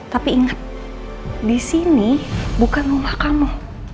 tapi ingat di sini bukan rumah kamu